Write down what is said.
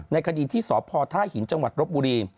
ในคดีที่สพท่าหินจังหวัดรบบุรี